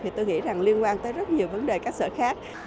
thì tôi nghĩ rằng liên quan tới rất nhiều vấn đề các sở khác